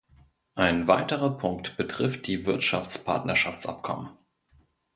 Ein weiterer Punkt betrifft die Wirtschaftspartnerschaftsabkommen.